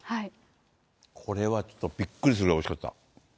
これはちょっとびっくりするぐらいおいしかった。